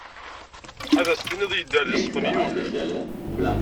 Ad as-tinid yedder deg Spenyul.